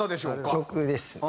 僕ですね。